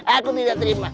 aku tidak terima